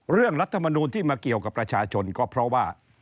รัฐมนูลที่มาเกี่ยวกับประชาชนก็เพราะว่า